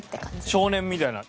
少年みたいな。